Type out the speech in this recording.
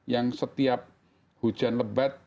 yang setiap hujan lebat